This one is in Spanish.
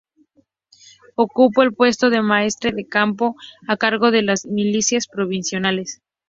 Ocupó el puesto de Maestre de campo, a cargo de las milicias provinciales.